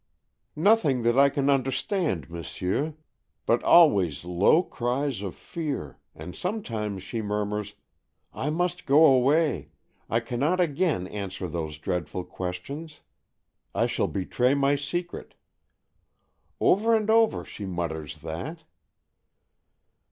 "Nothing that I can understand, m'sieu; but always low cries of fear, and sometimes she murmurs, 'I must go away! I cannot again answer those dreadful questions. I shall betray my secret.' Over and over she mutters that."